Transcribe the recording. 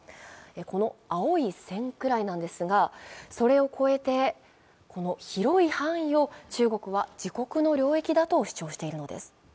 この青い線くらいなんですが、それを越えてこの広い範囲を中国は自国の領域だと主張しているのです。